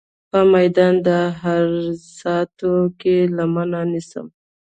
په میدان د عرصات کې لمنه نیسم.